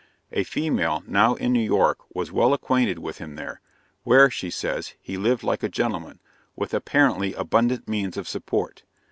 A female now in New York was well acquainted with him there, where, she says, he lived like a gentleman, with apparently abundant means of support.